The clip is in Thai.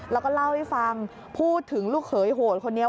แล้วก็เล่าให้ฟังพูดถึงลูกเขยโหดคนนี้